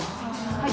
はい。